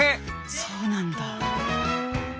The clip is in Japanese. そうなんだ。